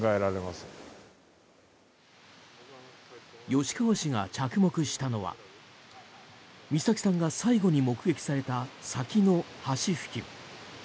吉川氏が着目したのは美咲さんが最後に目撃された先の橋付近。